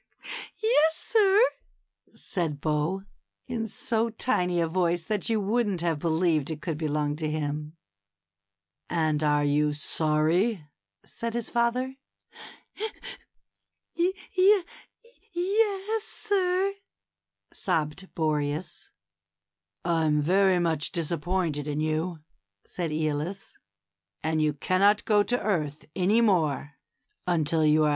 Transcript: ^^Yes, sir," said Bo, in so tiny a voice that you wouldn't have believed it could belong to him. And are you sorry ?" said his father. '^Ye ye yes, sir," sobbed Boreas. ^^I'm very much disappointed in you," said ^olus; and you cannot go to earth any more until you are A WINDY STORY.